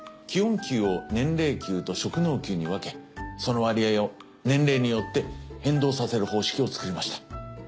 基本給を年齢給と職能給に分けその割合を年齢によって変動させる方式を作りました。